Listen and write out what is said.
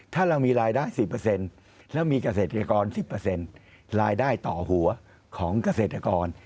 ถ้าเรามีรายได้๑๐แล้วมีเกษตรกร๑๐รายได้ต่อหัวของเกษตรกร